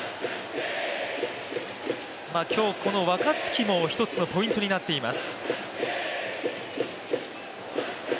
今日、この若月も一つのポイントになっています。